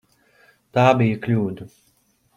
Tā bija kļūda.